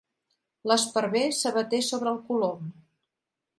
L'esparver s'abaté sobre el colom.